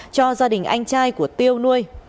cho gia đình anh trai của tiêu nuôi